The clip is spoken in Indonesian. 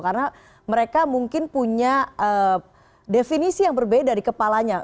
karena mereka mungkin punya definisi yang berbeda di kepalanya